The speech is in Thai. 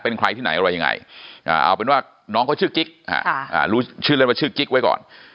เป็นใครที่ไหนอะไรยังไงเอาเป็นว่าน้องเขาชื่อกิ๊กรู้ชื่อเล่นว่าชื่อกิ๊กไว้ก่อน